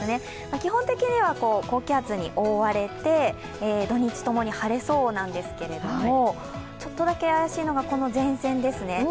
基本的には高気圧に覆われて、土日ともに晴れそうなんですけれども、ちょっとだけ怪しいのがこの前線ですね。